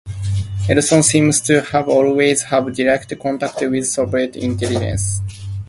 Elson seems to have always had direct contacts with Soviet intelligence.